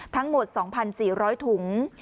ทั้งหมด๒๔๐๐ถุง